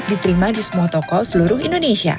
diterima di semua toko seluruh indonesia